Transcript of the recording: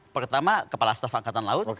pertama kepala staf angkatan laut